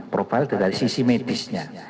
profil dari sisi medisnya